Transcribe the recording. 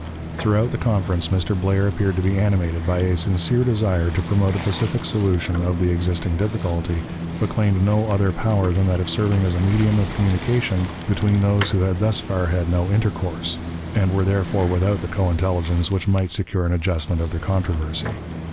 Throughout the conference Mr. Blair appeared to be animated by a sincere desire to promote a pacific solution of the existing difficulty, but claimed no other power than that of serving as a medium of communication between those who had thus far had no intercourse, and were therefore without the co intelligence which might secure an adjustment of their controversy.